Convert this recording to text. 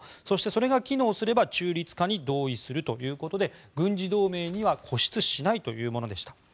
そして、それが機能すれば中立化に同意するということで軍事同盟には固執しないというものでした。